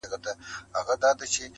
په پسته ژبه دي تل يم نازولى،